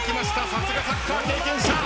さすがサッカー経験者。